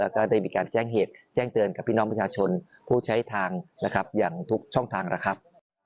ก็ได้มีการแจ้งเหตุแจ้งเตือนกับพี่น้องประชาชนผู้ใช้ทางนะครับอย่างทุกช่องทางแล้วครับ